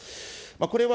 これは、